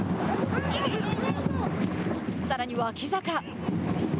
さらに、脇坂。